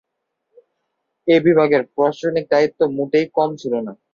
এই বিভাগের প্রশাসনিক দায়িত্ব মোটেই কম ছিল না।